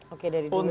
oke dari dulu ya